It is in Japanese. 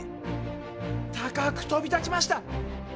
高く飛び立ちました！